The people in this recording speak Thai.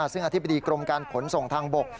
ซึ่งอธิบดีกรมการขนส่งทางบก